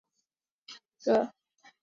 这是一个大胆的要求。